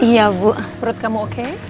perut kamu oke